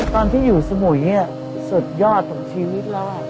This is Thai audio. ตอนที่อยู่สมุยสุดยอดของชีวิตแล้ว